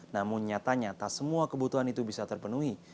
namun nyatanya tak semua kebutuhan itu bisa terpenuhi